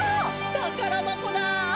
たからばこだ！